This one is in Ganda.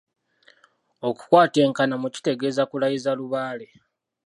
Okukwata enkanamu kitegeeza kulayiza lubaale.